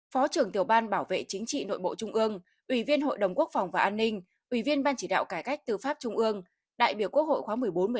phó trưởng tiểu ban bảo vệ chính trị nội bộ trung ương ủy viên hội đồng quốc phòng và an ninh ủy viên ban chỉ đạo cải cách tư pháp trung ương đại biểu quốc hội khóa một mươi bốn một mươi ba